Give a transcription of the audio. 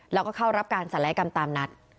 แล้วก็เข้ารับการศัลยกรรมตามนัด